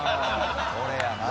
これやな。